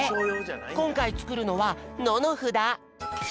こんかいつくるのは「の」のふだ！